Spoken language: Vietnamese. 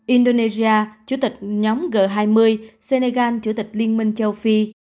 indonesia chủ tịch nhóm g hai mươi senegal chủ tịch liên minh châu phi